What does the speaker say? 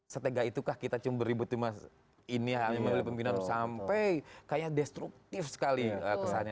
setegak itukah kita cuma beribut cuma ini yang memiliki pimpinan sampai kayaknya destruktif sekali kesannya